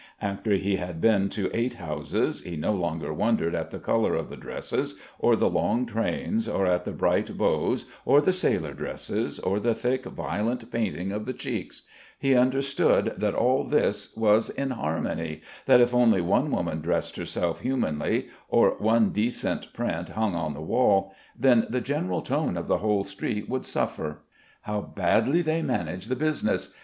After he had been to eight houses he no longer wondered at the colour of the dresses or the long trains, or at the bright bows, or the sailor dresses, or the thick violent painting of the cheeks; he understood that all this was in harmony, that if only one woman dressed herself humanly, or one decent print hung on the wall, then the general tone of the whole street would suffer. How badly they manage the business?